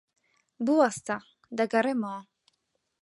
بوەستە. دەگەڕێمەوە.